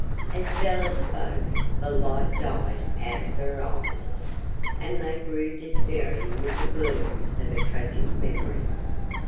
As Bella spoke the light died out of her eyes, and they grew despairing with the gloom of a tragic memory.